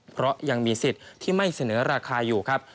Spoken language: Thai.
เพราะยังมีสิทธิ์ที่ไม่เสนอราคาอยู่ครับ